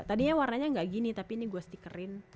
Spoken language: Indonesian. tadinya warnanya gak gini tapi ini gue stikerin